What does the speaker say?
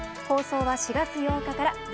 放送は４月８日から。